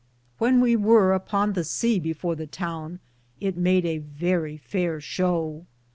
^ When we weare upon the sea before the towne it made a verrie fayer show.